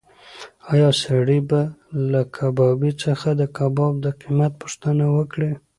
ایا سړی به له کبابي څخه د کباب د قیمت پوښتنه وکړي؟